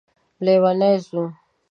لیونی ځو